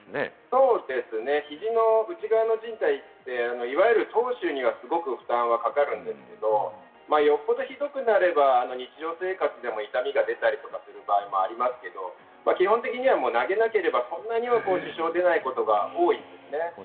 そうですね、肘の内側のじん帯っていわゆる投手にはすごく負担がかかるんですけれど、よっぽど酷くなれば、日常生活でも痛みが出たりとかする場合もありますけれど、基本的には投げなければ、そんなには支障が出ないことが多いですね。